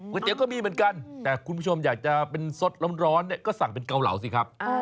เตี๋ยก็มีเหมือนกันแต่คุณผู้ชมอยากจะเป็นสดร้อนเนี่ยก็สั่งเป็นเกาเหลาสิครับ